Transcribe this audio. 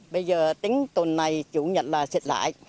bây giờ tính tuần này chủ nhận là xịt lại